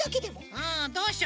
うんどうしようかな。